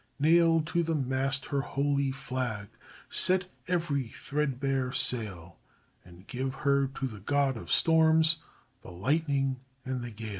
Nail to the mast her holy flag, Set every threadbare sail, And give her to the God of Storms, The lightning and the gale!